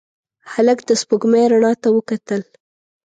هلک د سپوږمۍ رڼا ته وکتل.